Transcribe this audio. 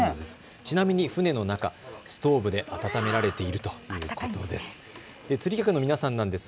ちなみに船の中、ストーブで暖められているということです。